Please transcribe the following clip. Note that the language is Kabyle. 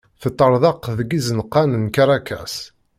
Teṭṭerḍeq deg izenqan n Karakas.